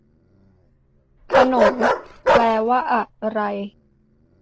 ขนงแปลว่าอะไร